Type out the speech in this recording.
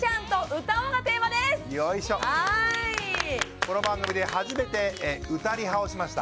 この番組で初めて歌リハをしました。